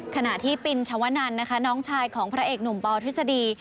ขณะที่ปินชวนันนะคะน้องชายของพระเอกหนุ่มปอทฤษฎี